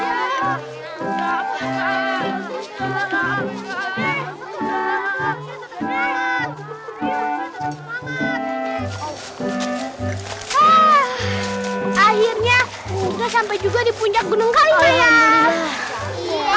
akhirnya kita sampai juga di puncak gunung kalimayanya